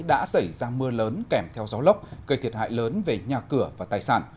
đã xảy ra mưa lớn kèm theo gió lốc gây thiệt hại lớn về nhà cửa và tài sản